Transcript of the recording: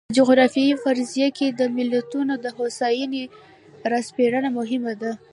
په جغرافیوي فرضیه کې د ملتونو د هوساینې را سپړنه مهمه ده.